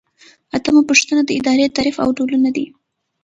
اتمه پوښتنه د ادارې تعریف او ډولونه دي.